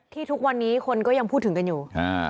ทุกวันนี้คนก็ยังพูดถึงกันอยู่